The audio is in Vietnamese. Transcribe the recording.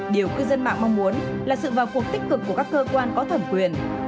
điều cư dân mạng mong muốn là sự vào cuộc tích cực của các cơ quan có thẩm quyền